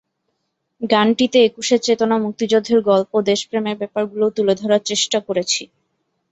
গানটিতে একুশের চেতনা, মুক্তিযুদ্ধের গল্প, দেশপ্রেমের ব্যাপারগুলো তুলে ধরার চেষ্টা করেছি।